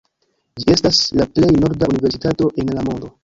Ĝi estas la plej norda universitato en la mondo.